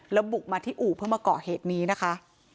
แล้วบุกมาที่อู่เพื่อมาเกาะเหตุนี้นะคะ